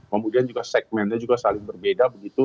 kemudian juga segmennya juga saling berbeda begitu